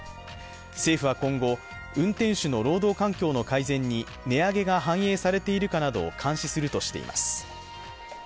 政府は今後、運転手の労働環境の改善に値上げが反映されているかなどを監視するとしています。